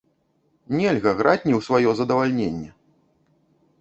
Нельга граць не ў сваё задавальненне!